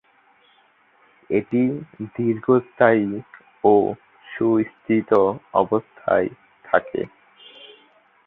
এটি দীর্ঘস্থায়ী ও সুস্থিত অবস্থায় থাকে।